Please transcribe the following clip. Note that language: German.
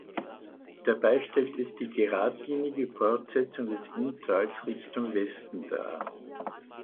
Dabei stellt es die geradlinige Fortsetzung des Inntals Richtung Westen dar.